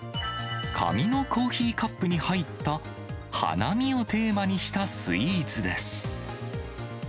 紙のコーヒーカップに入った、花見をテーマにしたスイーツです。